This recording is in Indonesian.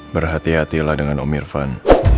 berhati hatilah dengan om irfan